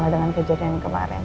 dengan kejadian kemarin